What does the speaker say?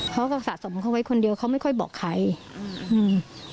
พ่อก็สะสมเขาไว้คนเดียวเค้าไม่ค่อยบอกใคร